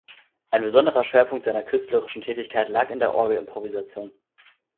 Ein besonderer Schwerpunkt seiner künstlerischen Tätigkeit lag in der Orgelimprovisation.